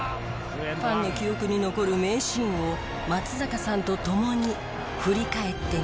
ファンの記憶に残る名シーンを松坂さんと共に振り返ってみましょう。